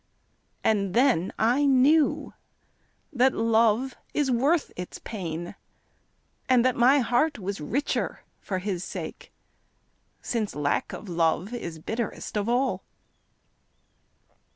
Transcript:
And then I knew that Love is worth its pain And that my heart was richer for his sake, Since lack of love is bitterest of all.